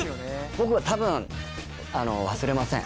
僕は多分忘れません！